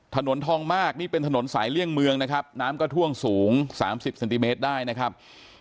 ถนนทองมากนี่เป็นถนนสายเลี่ยงเมืองนะครับน้ำก็ท่วมสูง๓๐เซนติเมตรได้นะครับ